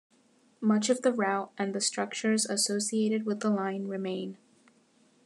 Much of the route and the structures associated with the line remain.